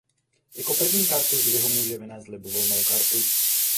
Jako první kartu zdvihu může vynést libovolnou kartu.